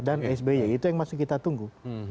dan sby itu yang masih kita tunggu